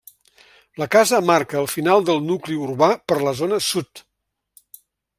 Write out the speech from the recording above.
La casa marca el final del nucli urbà per la zona sud.